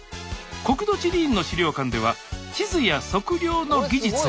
国土地理院の資料館では地図や測量の技術を。